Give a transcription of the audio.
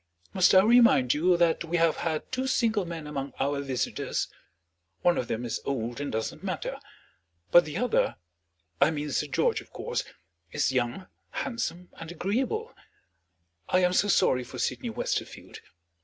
Must I remind you that we have had two single men among our visitors? One of them is old and doesn't matter. But the other I mean Sir George, of course is young, handsome, and agreeable. I am so sorry for Sydney Westerfield.